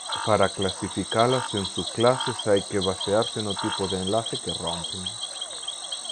Para clasificalas en subclases hai que basearse no tipo de enlace que rompen.